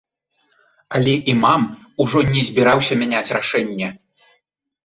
Але імам ужо не збіраўся мяняць рашэнне.